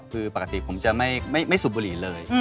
แปปพอข้าวไม่ซุพบุหรีเลย